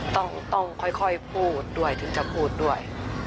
ต้องค่อยพูดด้วยถึงจะพูดด้วย